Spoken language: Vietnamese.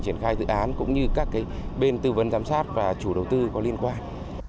triển khai dự án cũng như các bên tư vấn giám sát và chủ đầu tư có liên quan